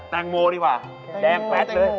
แตงโมด้วยค่ะแดงแวดด้วยแตงโมเตงโมปลาด